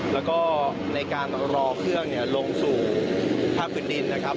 แล้วก็ในการรอเครื่องลงสู่ภาคพื้นดินนะครับ